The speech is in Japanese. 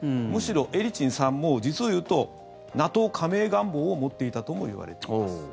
むしろ、エリツィンさんも実を言うとＮＡＴＯ加盟願望を持っていたともいわれています。